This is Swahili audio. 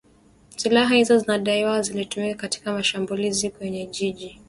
Silaha hizo zinadaiwa zilitumika katika mashambulizi kwenye vijiji